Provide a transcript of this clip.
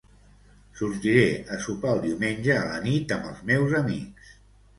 Sortiré a sopar el diumenge a la nit amb els meus amics.